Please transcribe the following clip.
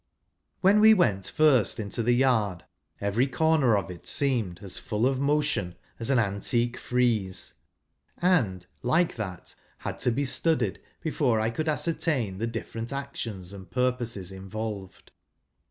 When we first went into the yard, every corner of it seemed as full of motion as an antique frieze, and, like that, had to be studied before I could ascertain the different actions and purposes involved.